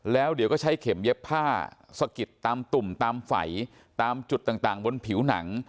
แล้วเดี๋ยวก็ใช้เข็มเย็บผ้าสะกิดตามตุ่มตามไฝตามจุดต่างบนผิวหนัง